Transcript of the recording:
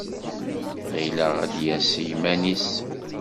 Ɣileɣ ad d-yas i yiman-nnes.